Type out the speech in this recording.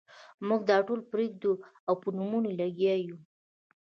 موږ دا ټول پرېږدو او په نومونو لګیا یو.